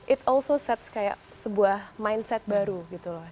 it also set kayak sebuah mindset baru gitu loh